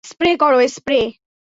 Spray করো, spray.